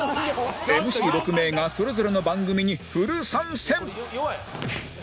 ＭＣ６ 名がそれぞれの番組にフル参戦！